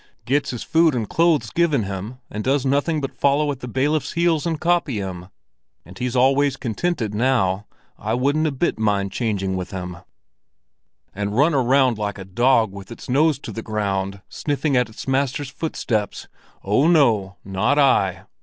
"Gets his food and clothes given him, and does nothing but follow at the bailiff's heels and copy him. And he's always contented now. I wouldn't a bit mind changing with him." "And run about like a dog with its nose to the ground sniffing at its master's footsteps? Oh no, not I!"